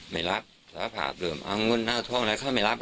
ไม่รับสภาพเรื่องอังกฤษน่าทรงแล้วเขาไม่รับ